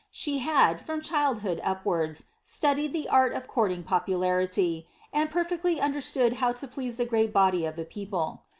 She had, from childhood upwards, studied the art of courting popularity, and perfectly understood how to please the great body of the people.